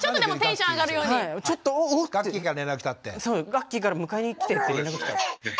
ガッキーから迎えに来てって連絡来たって。